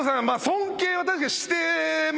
尊敬は確かにしてますかね。